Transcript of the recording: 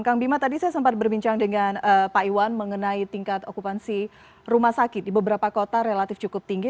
kang bima tadi saya sempat berbincang dengan pak iwan mengenai tingkat okupansi rumah sakit di beberapa kota relatif cukup tinggi